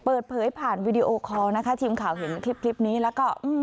เปิดเผยผ่านวีดีโอคอลนะคะทีมข่าวเห็นคลิปนี้แล้วก็